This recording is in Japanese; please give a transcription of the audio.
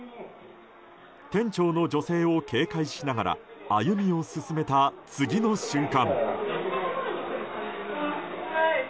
店長の女性を警戒しながら歩みを進めた次の瞬間。